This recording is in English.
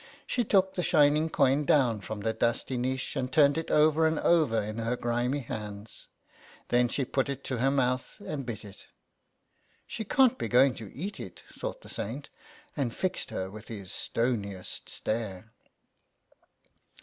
She took the shining coin down from the dusty niche and turned it over and over in her grimy hands. Then she put it to her mouth and bit it. "She can't be going to eat it," thought the Saint, and fixed her with his stoniest stare.